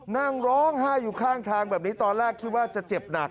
นั่งร้องไห้อยู่ข้างทางแบบนี้ตอนแรกคิดว่าจะเจ็บหนัก